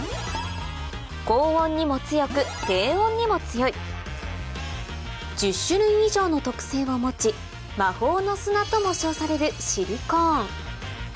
高温にも強く低温にも強い１０種類以上の特性を持ち「魔法の砂」とも称されるシリコーン